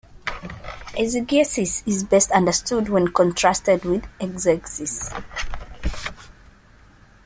Eisegesis is best understood when contrasted with "exegesis".